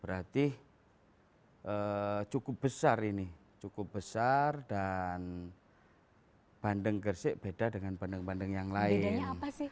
berarti cukup besar ini cukup besar dan bandeng gersik beda dengan bandeng bandeng yang lain